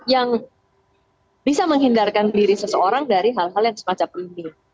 yang bisa menghindarkan diri seseorang dari hal hal yang semacam ini